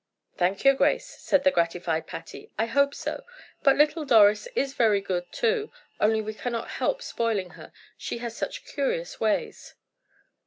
"Thank your grace," said the gratified Patty. "I hope so. But little Doris is very good, too, only we cannot help spoiling her; she has such curious ways."